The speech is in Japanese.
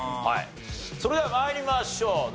はいそれでは参りましょう。